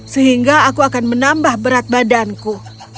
sehingga aku akan menambah berat badanku